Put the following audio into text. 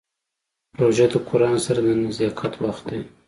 روژه د قرآن سره د نزدېکت وخت دی.